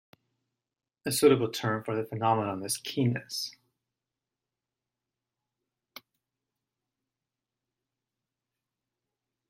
A suitable term for the phenomenon is keyness.